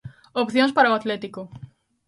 Opcións para o Atlético.